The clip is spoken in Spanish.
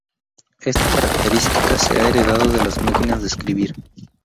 Esta característica se ha heredado de las máquinas de escribir.